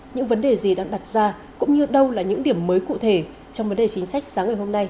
những vấn đề gì đang đặt ra cũng như đâu là những điểm mới cụ thể trong vấn đề chính sách sáng ngày hôm nay